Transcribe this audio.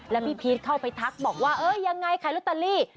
แล้วพี่พีชเข้าไปทักบอกว่าเออยังไงขายลอตเตอรี่